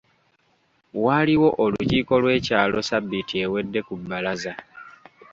Waaliwo olukiiko lw'ekyalo ssabbiiti ewedde ku bbalaza.